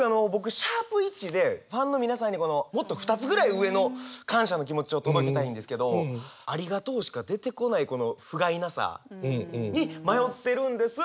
僕＃１でファンの皆さんにもっと２つぐらい上の感謝の気持ちを届けたいんですけど「『ありがとう』しか出てこないこのふがいなさに迷ってるんです」